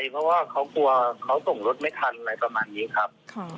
เพราะว่าเขากลัวเขาส่งรถไม่ทันอะไรประมาณนี้ครับ